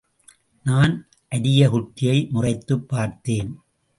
நான் அரியக்குடியை முறைத்துப் பார்த்தேன்.